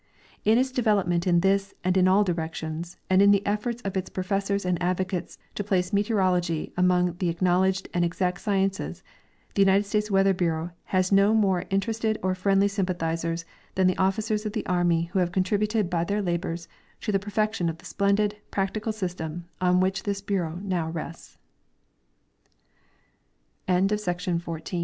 In its development in this and in all directions, and in the efforts of its professors and advocates to place meteorology among the acknowledged and exact sciences, the United States Weather bureau has no more interested or friendly sympathizers than the ofiicers of the army who have contributed l\y their labors to the perfection of the splendid, practical syste